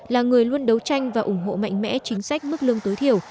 là người luôn đấu tranh và ủng hộ mạnh mẽ chính sách mức lương tối thiểu